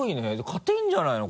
勝てるんじゃないの？